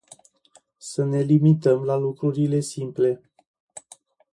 Să ne limităm la lucrurile simple.